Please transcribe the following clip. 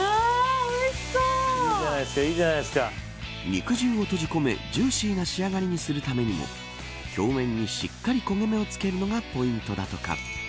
肉汁を閉じ込めジューシーな仕上がりにするためにも表面にしっかり焦げ目をつけるのがポイントだとか。